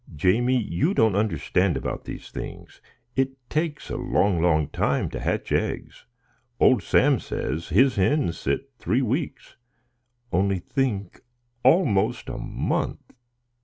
"Jamie, you don't understand about these things; it takes a long, long time to hatch eggs. Old Sam says his hens sit three weeks;—only think, almost a month!"